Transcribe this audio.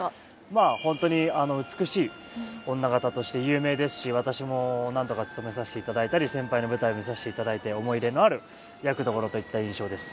まあ本当に美しい女方として有名ですし私も何度かつとめさせていただいたり先輩の舞台見させていただいて思い入れのある役どころといった印象です。